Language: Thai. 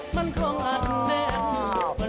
มันความอัดแน่